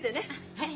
はい！